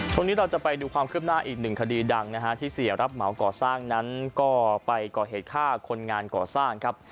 ช่วงนี้เราจะไปดูความคืบหน้าอีกหนึ่งคดีดังนะฮะที่เสียรับเหมาก่อสร้างนั้นก็ไปก่อเหตุฆ่าคนงานก่อสร้างครับ